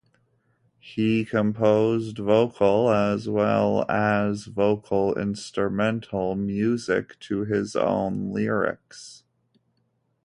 He composed vocal as well as vocal-instrumental music to his own lyrics.